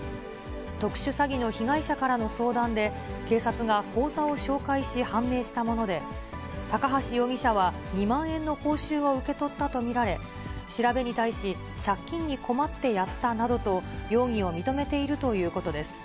特殊詐欺の被害者からの相談で、警察が口座を照会し、判明したもので、高橋容疑者は２万円の報酬を受け取ったと見られ、調べに対し、借金に困ってやったなどと容疑を認めているということです。